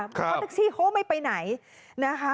เพราะแท็กซี่เขาไม่ไปไหน